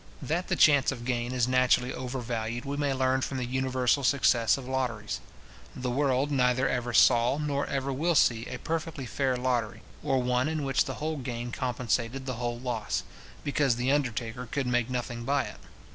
That the chance of gain is naturally overvalued, we may learn from the universal success of lotteries. The world neither ever saw, nor ever will see, a perfectly fair lottery, or one in which the whole gain compensated the whole loss; because the undertaker could make nothing by it.